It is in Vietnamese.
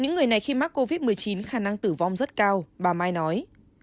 những người này khi mắc covid một mươi chín khả năng tử vong rất cao bà mai nói